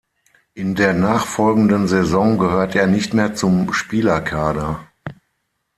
In der nachfolgenden Saison gehörte er nicht mehr zum Spielerkader.